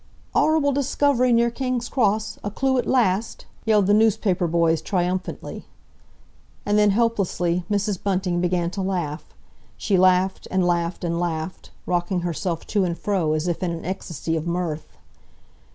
"'Orrible discovery near King's Cross—a clue at last!" yelled the newspaper boys triumphantly. And then, helplessly, Mrs. Bunting began to laugh. She laughed, and laughed, and laughed, rocking herself to and fro as if in an ecstasy of mirth.